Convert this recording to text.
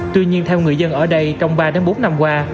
tuy nhiên theo người dân ở đây trong ba bốn năm qua